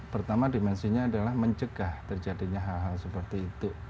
pertama dimensinya adalah mencegah terjadinya hal hal seperti itu